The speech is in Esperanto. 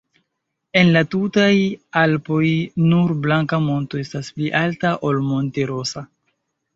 En la tutaj Alpoj, nur Blanka Monto estas pli alta ol Monte-Rosa.